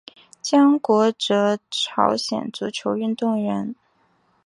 姜国哲朝鲜足球运动员。